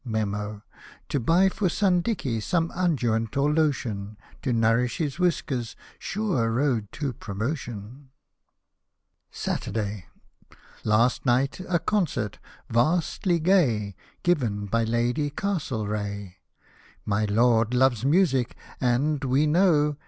Me7n, — to buy for son Dicky some unguent or lotion To nourish his whiskers — sure road to promotion ! Saturday. Last night a Concert — vastly gay — Given by Lady Castlereagh. My Lord loves music, and, we know.